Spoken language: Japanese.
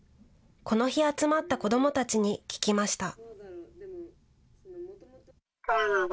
この日、集まった子どもたちに聞きました。